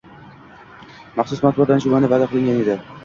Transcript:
maxsus matbuot anjumani va’da qilgan edi.